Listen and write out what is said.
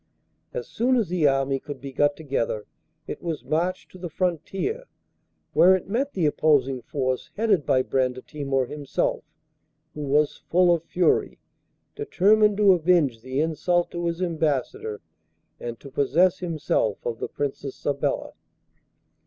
As soon as the army could be got together it was marched to the frontier, where it met the opposing force headed by Brandatimor himself, who was full of fury, determined to avenge the insult to his Ambassador and to possess himself of the Princess Sabella.